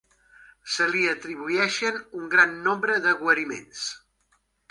Se li atribueixen un gran nombre de guariments.